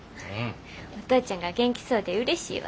お父ちゃんが元気そうでうれしいわ。